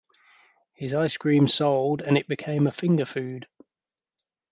His ice cream sold and it became a finger food.